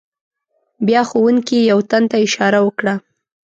بیا ښوونکي یو تن ته اشاره وکړه.